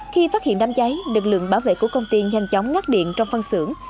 khi phát hiện đám cháy lực lượng bảo vệ của công ty nhanh chóng ngắt điện trong phân xưởng